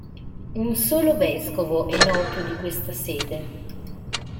Un solo vescovo è noto di questa sede.